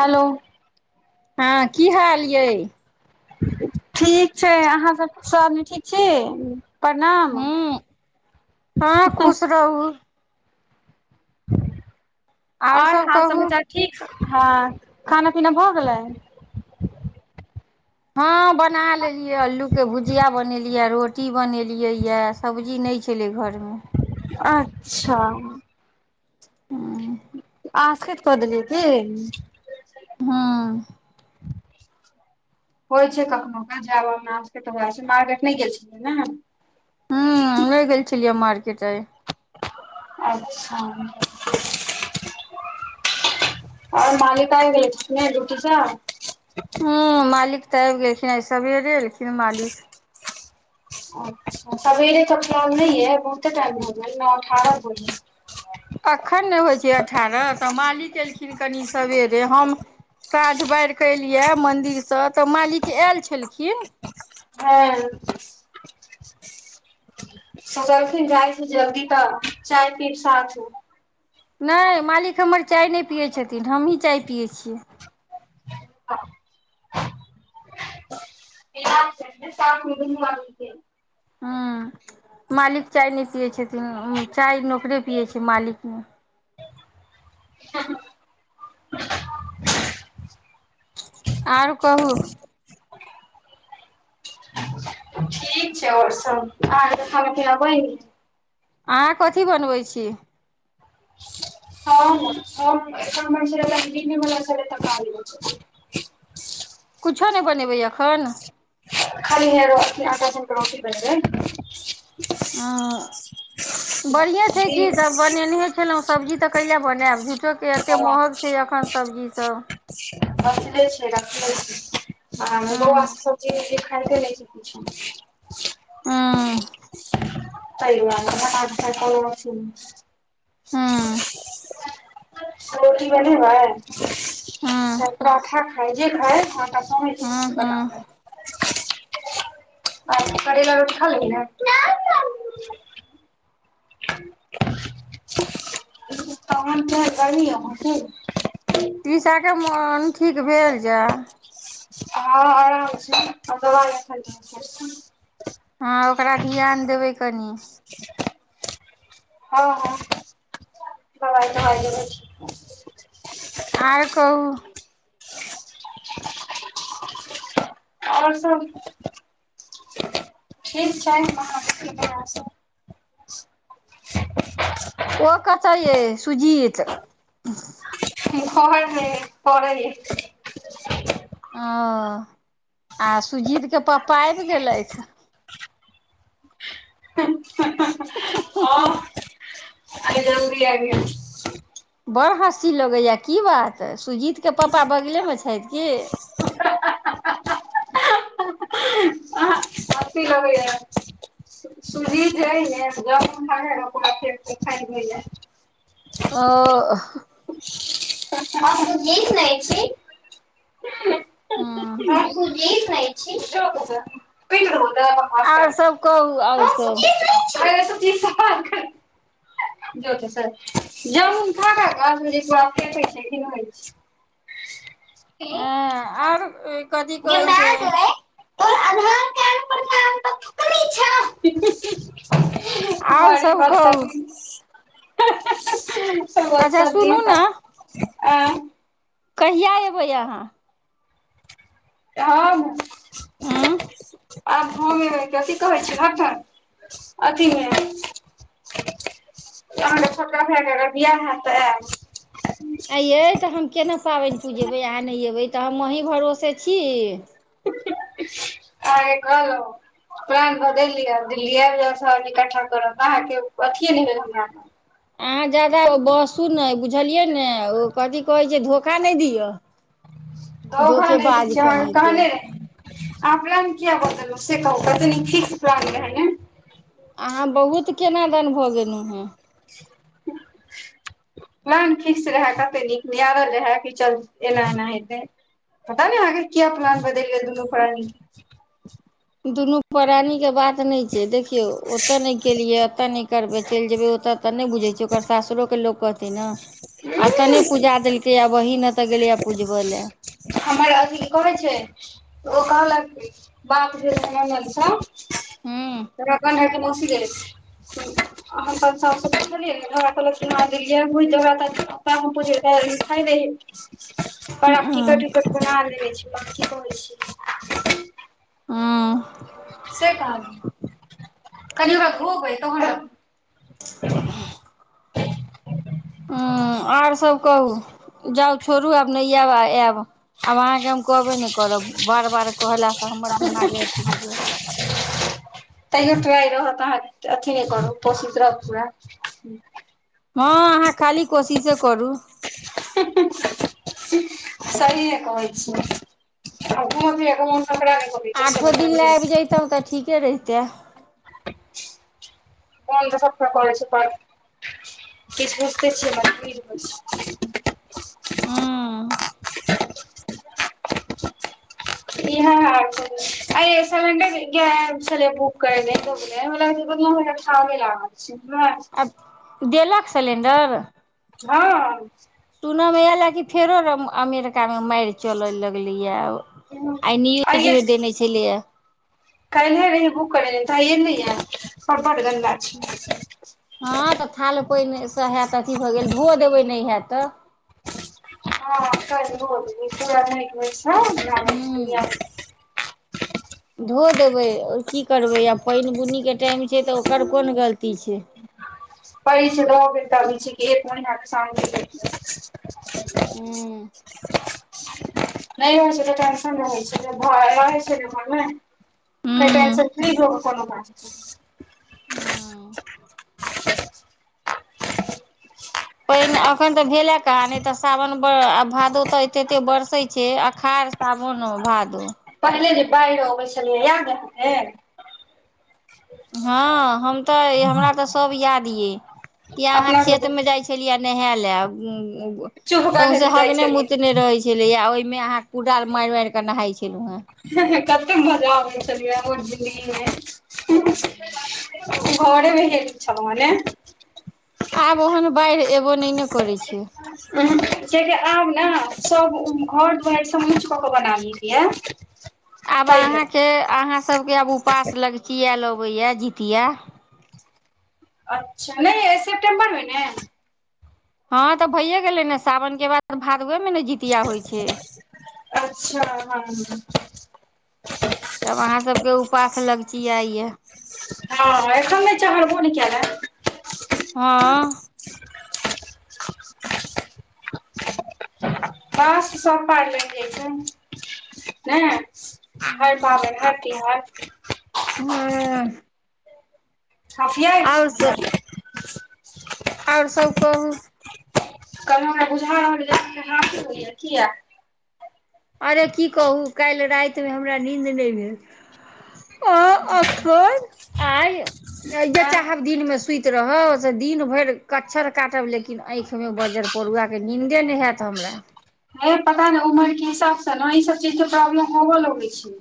hello हँ की हाल यै ठीक छै अहाँसभ सब आदमी ठीक छी प्रणाम हूँ हँ खुश रहू आओर सब हाल कहू समाचार ठीक हँ खाना पीना भऽ गेलै हँ बना लेलियै अल्लूके भुजिया बनेलियै रोटी बनेलियै यए सब्जी नहि छेलै घरमे अच्छा हूंम्म आसकैत क देलीयै की हूंम्म [inaudible] होइ छै कखनो के जाब तऽएह मार्केट नहि गेल छियै ने हमे गेल छलियै मार्केट आय अच्छा आओर मालिका आबि गेलथि कि नहि ड्युटी सँ हूंम्म मालिक तऽ आबि गेलखिन आय सबेरे एलखिन मालिक [inaudible] अच्छा सवेरे तऽ टाइम नहि अय बहुते टाइम हो गेल नौ अठारह भऽ गेल एखन नहि होइ छै अठारह तऽ मालिक एलखिन कनि सवेरे हम साँझ बारि कऽ एलियै मन्दिरसँ तऽ मालिक आयल छलखिन ओ सोचलखिन जाइ छी जल्दी तऽ चाय पीब साथ मे नहि मालिक हमर चाय नहि पियैत छथिन हमहीँ चाय पियैत छियै [inaudible] साफ मे दुनू आदमी के हँ मालिक चाय नहि पियै छथिन चाय नौकरे पियै छै मालिक नय हँ और कहू [inaudible] ठीक छै आओर सब अहाँ कऽ तऽ खाना पिना बैन अहाँ कथी बनबै छी [unintelligible] कुछो नहि बनेबै एखन खाली [inaudible] ओ बढ़िएँ छै की सभ बनेनहे छलहुँ सब्जी तऽ कैले बनायब झूठोके एते महग छै एखन सब्जी सब रखले छै रखले छै एमे बोआ हूं सब जीखाते नहि छै किछु आ [unintelligible] हूं रोटी बनेबैय हूं [unintelligible] खाय जे खाय आटा सानै हूं छिये हूं अचछ करैला रोटी खा लेबही नऽ [unintelligible] तीसाके मोन ठीक भेल जाए हँ आराम छै [unintelligible] हँ ओकरा ध्यान देबै कनि हँ हँ [unintelligible] आर कहू आओर सब ठीक छै अहाँ सबके दया सँ ओ कतऽ ये सुजीत घरमे परल अछि ओ आ सुजीतके पपा आबि गेलथि [inaudible] [inaudible] बड़ी जल्दी अबी गेलखिन बड़ हँसी लगैए की बात सुजीतके पापा बगलेमे छैथ की अहाँ अथी लगैये [unintelligible] ओ [unintelligible] हँ [unintelligible] आओर सब कहू [unintelligible] आओर सब हँ जामुन खा खा आ प फइ छै खनइ छै [inaudible] ह और कथि कहै छै अधार कार्ड ठीक आओर छेय सब कहू [unintelligible] बड़ी अच्छा सुनू बतमिज [inaudible] कहिआ एयबै अहाँ के हम हँ आब हम एबै कथी कहै छै अथि मे अहाँके छोटका भायके अगर बिआह हेत तऽ आएब आई यै तऽ हम केना पाबैन पूजेबै आहाँ नहि अबै तऽ हम अहीँ भरोसे छी आ कहल प्राण बदल दिअ दिल्ली आबि जाउ सहरजी कट्ठा करब अहाँके अथिए नहि भेल अहाँ ज्यादा ओ बहसू नै बुझलियै ने ओ कथी कहैत छै धोखा नहि दिअ धोखा नै धोखेबाज दैछी हम अहा के कहीं कहने रही आ प्लान किया बदलहु से कहू कते नीक फिक्स प्लान रहै न अहाँ बहुत केना दन भऽ गेलहुँ हेँ ह प्लान फिक्स रहै कते नीक नियारल रहै कि चल एना एना हेतै पता नहि अहाँ के किया प्लान बदलि गेल दुनू परानि के दुनू प्राणी के बात नहि छै देखियौ ओते नहि केलियै एते ने क करबै चलि जेबै ओतऽ तऽ नहि बुझै छियै ओकर सासुरोके लोक कहतै ने आ त ने के पूजा देलकैए बहिन ओतऽ गेलैए पूजबय लए हमर अथी कहै छै ओ कहलक बाप जे सम म्गलसँ हँ त रकनढइ क बसी दे अहाँ ता कहल घ प्पा हम पूइ दे [inaudible] पर आब हँ टिकट उकट बना लेने छै की कहै छै हँ से कह कनि ओकरा धोबै तहन र ह ह आर सब कहू जाउ छोड़ू आब नहि आयब आयब आब अहाँके हम कहबे नहि करब बार बार कहलास से हमर दिमागे अथी होय तैयो ट्राय रहत अहाँ अथी नहि करू कोशिश रहत पूरा हँ अहाँ खाली कोशिशे करू [inaudible] सहिये कहै छी आ करै छै से आठो दिन लए बताबू आबि जैतहुँ तऽ ठीके रहितै मन तऽ सब के कर छै पर कि बुझते छिय मजबूरी ह हँ अइ सलेंडर गैस आयल छलै बुक करै लै तने म बल खाब लब छै आ देलक सिलेण्डर हँ सुन मे आयल अ की फेरो अमेरिका मे मारि चले लगलैय आइ न्यूज आइये मे देने छलेय काल्हिये रही बुक करेने तऽ एलैय पर बड़ गन्दा छै हँ तऽ थाल पानिसँ हयत अथी भऽ गेल धो देबै नहि हयत तऽ हँ कर बल तराै हूँ ने [inaudible] धो देबै और की करबै आ पानि बुनीके टाइम छै तऽ ओकर कोन गलती छै पी छै द बे द भी छै एक महिना को साम [inaudible] ह्म नहि हो तऽ टेनशन नहि होइ छै भय होइ छै ने म कैस हूँ फ्री भ क कोनो काज हूँ [unintelligible] पाइन अखन तऽ भेले कहा नहि तऽ सावन आ भादो तऽ ए एते बरसैत छै अषाढ़ सावानो भादो पहिले जे बाढ़ि अबै छलियै याद अछी ने हाँ हम तऽ हमरा तऽ सब याद ये किआ अहाँ अपना खेत सब जे में जाइ छी जाई छलीए नेहा ल गु गु चुप कऽके जे सौसे जाइ हगने छलियै मुतने रहे छै छलैएा ओहि में अहाँ कुडाल मारि मारि क नहााय छलहुॅ हें कतै माजा आबैए छललियै ओ ज़िन्दगी में घरेमे ह छल मने [unintelligible] आब ओहन बाढ़ि एबो ने ने करैत छै जेकि आब ने सभ घर दुआरि सभ उँच कऽ कऽ बना लेल के एय आब तै अहाँके अहाँ सभके आब उपास लगचियायल अबैया जितिया अच्छा नहि सेपटेम्बर मे ने हँ तऽ भइए गेलै ने साावनके बाद भादवेमे ने जीतिया होइत छै अच्छा हँ तब अहाँ सबके उपवास लगचियाइयए हँ एखन च हरब ने कना [unintelligible] हाँ बस स पड़ ल छै ने [unintelligible] हर पाबै ह कि हर हे [unintelligible] और सब कहू तब हमरा बुझा रहल हा होइया क य [unintelligible] अरे की कहू काल्हि राति मे हमरा निन्द नहि भेल आ अखन आ जे चाहब दिन में सुति रहब से दिन भरि कच्छर काटब लेकिन आँखि में बजर परुआ के निन्दे नहि होयत हमरा हे पता ने उमर के हिसाब से ने ई सब चीज के प्रॉब्लम होबो लगै छै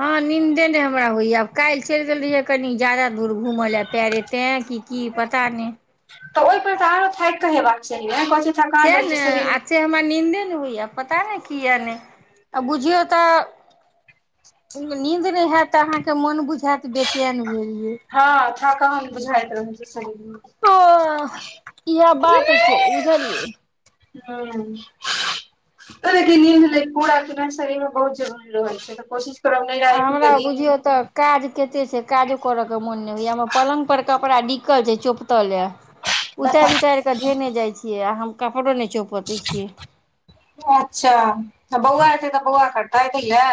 हाँ निंन्दे नहि हमरा होइया आब कालहि चलि गेल रहियै कनी ज्यादा दूर घूमय लऽ पैरे तै कि की पता ने तऽ ओहि पर तऽ आरो थाइक के हेबाक चाही ने थकान सेह रहै छै ने शरीर आ से हमरा नीन्दे नहि होइया पता नहि कऽ य ने आ बुझियौ तऽ नीन्द नहि हायत त अहाँ के मौन बुझायत बेचैन भेल ये हाँ थकान बुझायत रहे शरीर में ओ इहा बात छै बुझलीए हुं लेकगन निन्द ले पुरा शरीर मे बहुत जरुरी रहै छै तऽ कोशिश करब नहि आ राति हमरा मे बुझियौ तऽ काज कते छै काजो करय के मौन नहि होइया पलंग पर कपड़ा डिकल छै चौपतल ये उतारि बताउ उतारि कऽ धेने जाइ छियै आ हम कपड़ो नहि चौपते छियै अच्छा बौआ अतै तऽ बौआ करतै लए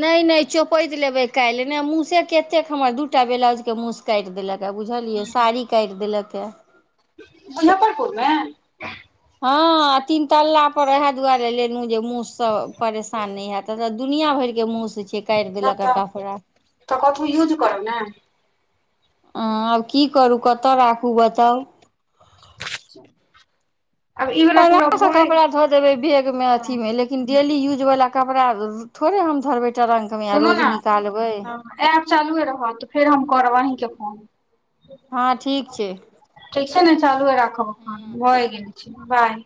ने ने चोपैत लेबै काल्हि नहि मूसे कतेक हमर दू टा ब्लाउज के मूस काटि देलक हे बुझलियै साड़ी काटि देलक हे मुजफ्फ मुजफ्फरपुर मे हाँ तीन तल्ला पर ओएह दुआरे लेलहु जे मुस सँ परेशान नहि हेब एतय तऽ दुनिया भर के मुस छै काटि देलक ह कपड़ा ओतह कथी युज करै ना अऽ आब की करू कतय राखू बताउ आब ई वला पूरा आराम सऽ भोरे कपड़ा धऽ देबै बैग मे अथी हँ में लेकिन लेकिन डेली यूजवला कपड़ा थोड़े हम धरबै टरङ्कमे आ सुनू रोज ने निकालबै ऐप चालुए रहत तऽ फेर हम करब अहीँके फोन हँ ठीक छै ठीक छै ने चालूए राखब फोन हूँ भ गेल छै बाय